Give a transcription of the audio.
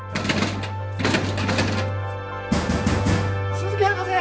鈴木博士！